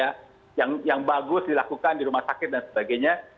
yang bagus dilakukan di rumah sakit dan sebagainya